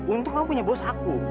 untung kamu punya bos aku